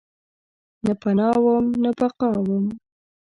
نه پناه وم ، نه بقاوم